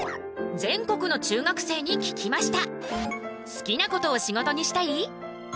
全国の中学生に聞きました！